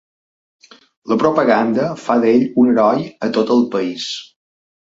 La propaganda fa d'ell un heroi a tot el país.